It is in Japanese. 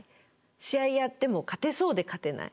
試合やっても勝てそうで勝てない。